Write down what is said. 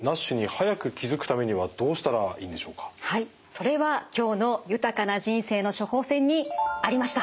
それは今日の「豊かな人生の処方せん」にありました。